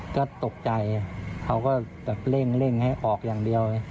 ก็ตกใจเขาก็แบบเร่งให้ออกอย่างเดียว